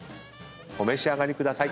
お召し上がりください。